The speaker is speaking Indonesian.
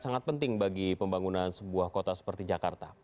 sangat penting bagi pembangunan sebuah kota seperti jakarta